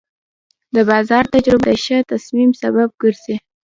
د بازار تجربه د ښه تصمیم سبب ګرځي.